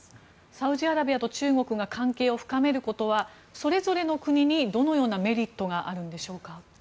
サウジアラビアと中国が関係を深めることはそれぞれの国にどのようなメリットがあるんでしょうか。